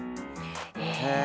へえ。